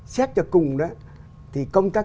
xét cho cùng đó thì công tác